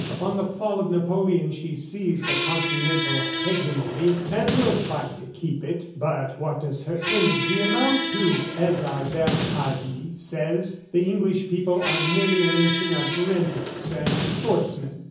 Upon the fall of Napoleon she seized the continental hegemony, and will fight to keep it. But what does her energy amount to? ... As our Bernhardi says, the English people are merely a nation of renters and sportsmen.